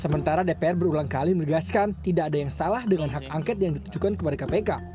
sementara dpr berulang kali menegaskan tidak ada yang salah dengan hak angket yang ditujukan kepada kpk